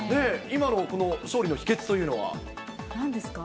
今のこの勝利の秘けつというなんですか。